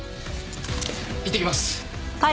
いってきます。